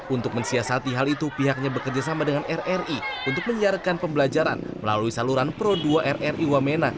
untuk mensiasati hal itu pihaknya bekerjasama dengan rri untuk menyiarkan pembelajaran melalui saluran pro dua rri wamena